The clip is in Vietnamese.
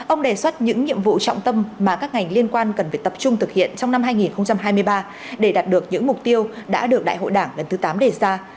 ông đề xuất những nhiệm vụ trọng tâm mà các ngành liên quan cần phải tập trung thực hiện trong năm hai nghìn hai mươi ba để đạt được những mục tiêu đã được đại hội đảng lần thứ tám đề ra